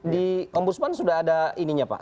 di ombudsman sudah ada ininya pak